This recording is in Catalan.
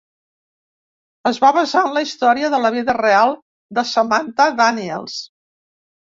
Es va basar en la història de la vida real de Samantha Daniels.